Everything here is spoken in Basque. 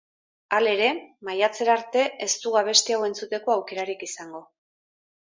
Halere, maiatzera arte ez dugu abesti hau entzuteko aukerarik izango.